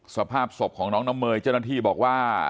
สภาพศพของน้องน้ำเมยเจ้าหน้าที่บอกว่า